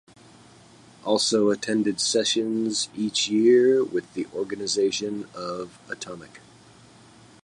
Also attended sessions each year with the organization of Atomic.